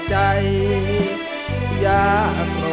ไม่ใช้ครับไม่ใช้ครับ